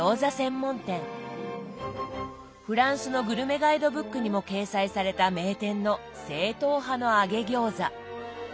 フランスのグルメガイドブックにも掲載された名店の正統派の揚げ餃子。